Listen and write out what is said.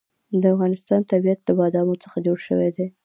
د افغانستان طبیعت له بادامو څخه جوړ شوی دی.